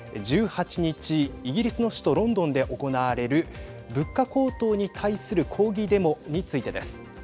１８日、イギリスの首都ロンドンで行われる物価高騰に対する抗議デモについてです。